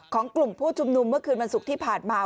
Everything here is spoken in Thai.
กลุ่มผู้ชุมนุมเมื่อคืนวันศุกร์ที่ผ่านมา